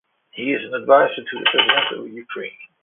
He is an adviser to the President of Ukraine.